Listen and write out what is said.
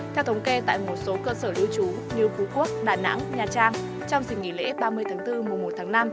theo thống kê tại một số cơ sở lưu trú như phú quốc đà nẵng nha trang trong dịch nghỉ lễ ba mươi tháng bốn mùa một tháng năm